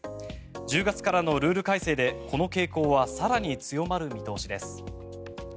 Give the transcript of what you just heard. １０月からのルール改正でこの傾向は更に強まる見通しです。